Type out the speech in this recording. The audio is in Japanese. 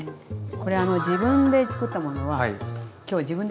これあの自分でつくったものは今日自分で食べるんですよ。